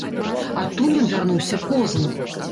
Адтуль ён вярнуўся позна.